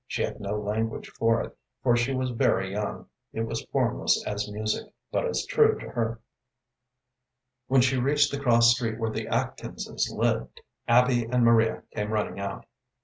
She had no language for it, for she was very young; it was formless as music, but as true to her. When she reached the cross street where the Atkinses lived Abby and Maria came running out.